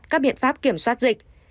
và áp chặt các biện pháp kiểm soát dịch